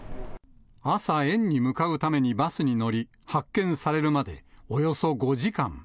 朝、園に向かうためにバスに乗り、発見されるまで、およそ５時間。